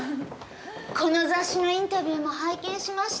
この雑誌のインタビューも拝見しました。